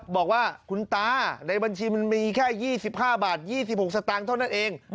บอกว่าคุณตาในบัญชีมันมีแค่๒๕บาท๒๖สตางค์เท่านั้นเอง